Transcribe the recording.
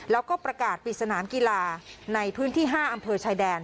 แล้วก็ประกาศปิดสนามกีฬาในพื้นที่๕อำเภอชายแดน